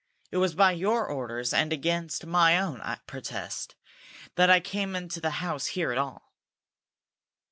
"It was by your orders, and against my own protest, that I came into the house here at all."